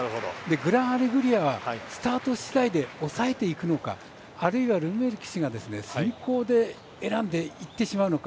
グランアレグリアはスタートしだいで抑えていくのかあるいはルメール騎手が先行で選んでいってしまうのか。